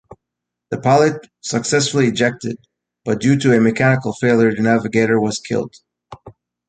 The pilot successfully ejected, but due to a mechanical failure the navigator was killed.